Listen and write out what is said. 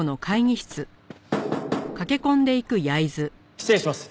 失礼します。